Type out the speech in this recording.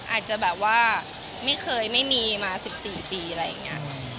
อาจจะแบบว่าไม่เคยไม่มีมา๑๔ปีอะไรอย่างนี้